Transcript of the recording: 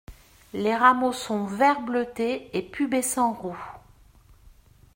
Les rameaux sont vert bleuté et pubescents roux.